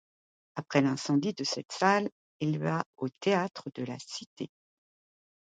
Après l'incendie de cette salle il va au théâtre de la Cité.